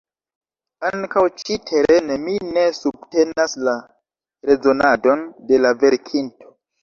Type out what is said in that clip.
Ankaŭ ĉi-terene mi ne subtenas la rezonadon de la verkinto.